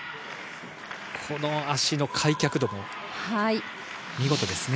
この足の開脚度、見事ですね。